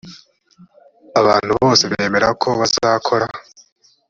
abantu bose bemera ko bazakora